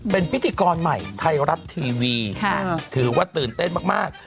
เป็นพิธีกรใหม่ไทยรัฐทีวีถือว่าตื่นเต้นมาก